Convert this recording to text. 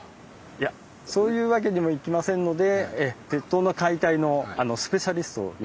いやそういうわけにもいきませんので鉄塔の解体のスペシャリストを呼んでおりますので。